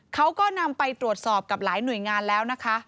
เขาก็นำไปตรวจสอบกับหลายหน่วยงานแล้วนะคะ